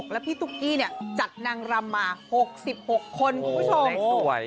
แล้วพี่ตุ๊กกี้เนี่ยจัดนางรำมา๖๖คนคุณผู้ชม